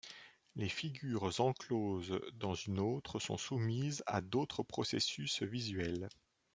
Les figures encloses dans une autre sont soumises à d'autres processus visuels.